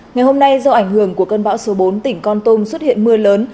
ngày hôm nay do ảnh hưởng của cơn bão số bốn tỉnh con tôm xuất hiện mưa lớn